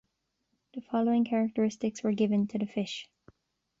The following characteristics were given to the fish.